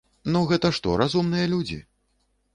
Ну, гэта што, разумныя людзі?